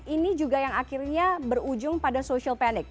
ini juga yang akhirnya berujung pada social panic